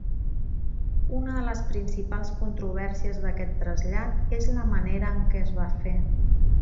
Una de les principals controvèrsies d'aquest trasllat és la manera en què es va fer.